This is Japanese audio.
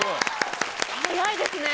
早いですね。